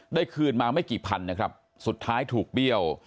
คืนมาไม่กี่พันนะครับสุดท้ายถูกเบี้ยว